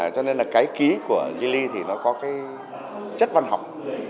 cho nên là cái ký của zili thì nó có cái chất văn học